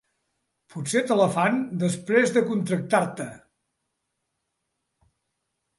Potser te la fan després de contractar-te.